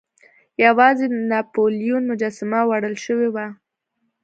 یوازې د ناپلیون مجسمه وړل شوې وه.